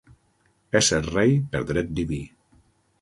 Ésser rei per dret diví.